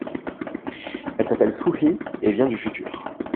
Elle s'appelle Souhi et vient du futur.